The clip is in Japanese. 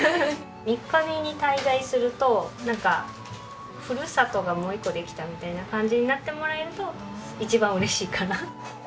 三ヶ日に滞在するとなんかふるさとがもう一個できたみたいな感じになってもらえると一番嬉しいかな。